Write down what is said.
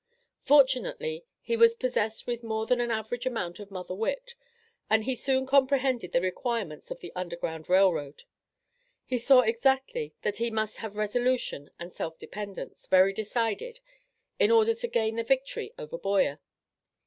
Fortunately he was possessed with more than an average amount of mother wit, and he soon comprehended the requirements of the Underground Rail Road. He saw exactly that he must have resolution and self dependence, very decided, in order to gain the victory over Boyer.